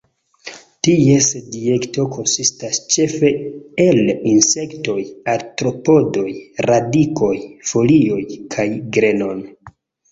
Ties dieto konsistas ĉefe el insektoj, artropodoj, radikoj, folioj kaj grenon.